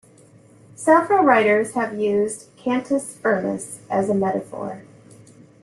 Several writers have used "cantus firmus" as a metaphor.